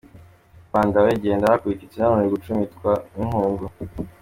Rwanda we, genda warakubititse none uri gucumitwa n’inkungu!